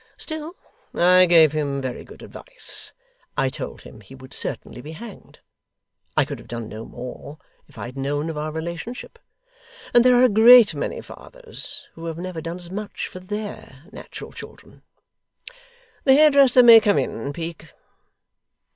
Still, I gave him very good advice. I told him he would certainly be hanged. I could have done no more if I had known of our relationship; and there are a great many fathers who have never done as much for THEIR natural children. The hairdresser may come in, Peak!